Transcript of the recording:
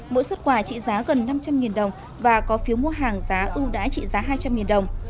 mỗi xuất quà trị giá gần năm trăm linh đồng và có phiếu mua hàng giá ưu đãi trị giá hai trăm linh đồng